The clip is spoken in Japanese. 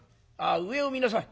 上を見なさい。